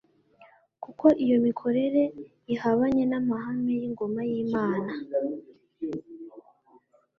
kuko iyo mikorere ihabanye n'amahame y'ingoma y'Imana.